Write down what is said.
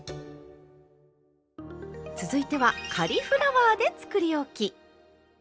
続いてはカリフラワーでつくりおき。